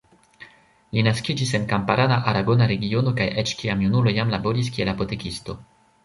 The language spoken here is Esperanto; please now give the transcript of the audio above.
Li naskiĝis en kamparana aragona regiono kaj eĉ kiam junulo jam laboris kiel apotekisto.